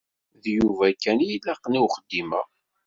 D Yuba kan i ilaqen i uxeddim-a.